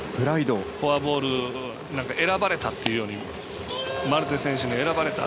フォアボール選ばれたっていうよりマルテ選手に選ばれた。